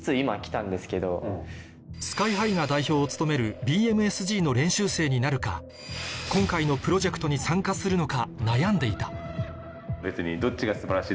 ＳＫＹ−ＨＩが代表を務めるＢＭＳＧの練習生になるか今回のプロジェクトに参加するのか悩んでいた別に。